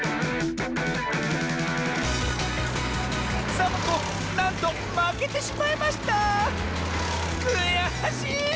サボ子なんとまけてしまいましたくやしい！